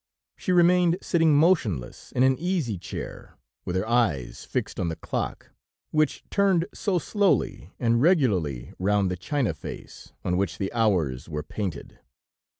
She remained sitting motionless in an easy chair, with her eyes fixed on the clock, which turned so slowly and regularly round the china face, on which the hours were painted.